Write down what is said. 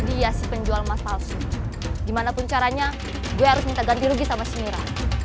dia si penjualan palsu dimanapun caranya gue harus minta ganti rugi sama sendiri